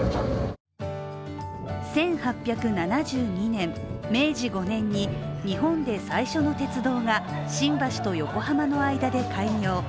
１８７２年、明治５年に日本で最初の鉄道が新橋と横浜の間で開業。